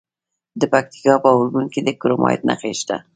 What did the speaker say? د پکتیکا په اورګون کې د کرومایټ نښې شته.